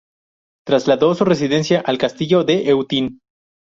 Trasladó su residencia al Castillo de Eutin.